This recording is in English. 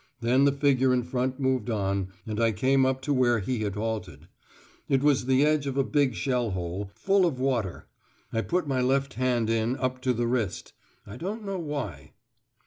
Then the figure in front moved on, and I came up to where he had halted. It was the edge of a big shell hole, full of water; I put my left hand in up to the wrist, I don't know why.